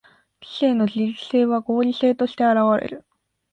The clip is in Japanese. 知性の自律性は合理性として現われる。